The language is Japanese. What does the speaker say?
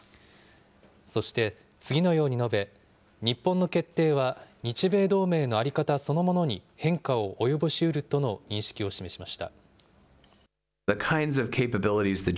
そして、次のように述べ、日本の決定は日米同盟の在り方そのものに変化を及ぼしうるとの認識を示しました。